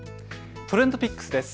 ＴｒｅｎｄＰｉｃｋｓです。